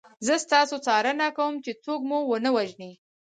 زه ستاسو څارنه کوم چې څوک مو ونه وژني